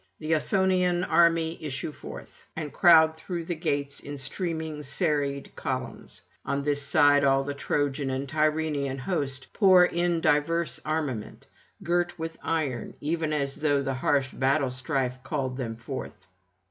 The Ausonian army issue forth, and crowd through the gates in streaming serried columns. On this side all the Trojan and Tyrrhenian host pour in diverse armament, girt with iron even as though the harsh battle strife [125 158]called them forth.